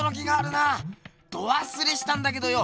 どわすれしたんだけどよ